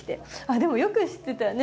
でもよく知ってたわね